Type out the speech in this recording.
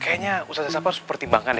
kayaknya ustazah sapa harus pertimbangkan